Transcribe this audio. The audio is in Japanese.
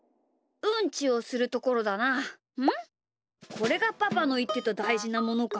これがパパのいってただいじなものか。